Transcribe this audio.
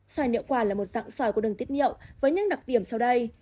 sỏi niệu quản là một dạng sỏi của đường tiết niệu với những đặc điểm sau đây